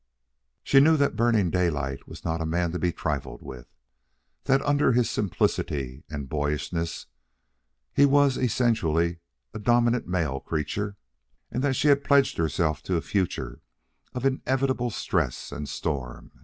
She knew that Burning Daylight was not a man to be trifled with, that under his simplicity and boyishness he was essentially a dominant male creature, and that she had pledged herself to a future of inevitable stress and storm.